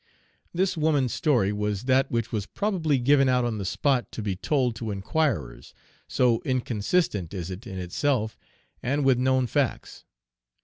This woman's story was that which was probably given out on the spot to be told to inquirers, so inconsistent is it in itself, and with known facts.